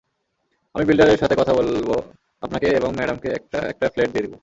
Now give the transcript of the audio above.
আমি বিল্ডারের সাথে কথা বলবো আপনাকে এবং ম্যাডামকে একটা একটা ফ্লেট দিয়ে দিবো।